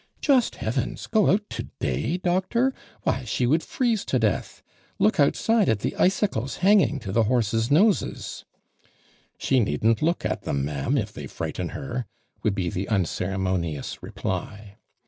"Just Heavens! Go out today, Doctor! Why she would freeze to death. Look out side at the icicles hanging to the horses' noses!" "She needn't look at them, ma'am, if '\ J ,/^ ARMAND DURAND. 73 I %; 1 Irl lit r' if they frighten her," would be the uncere monious reply.